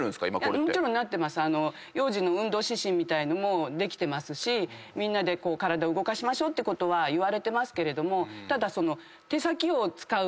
幼児の運動指針みたいのもできてますしみんなで体動かしましょうってことは言われてますけれどただその。